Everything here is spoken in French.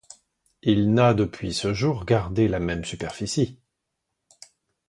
Il n'a depuis ce jour gardé la même superficie.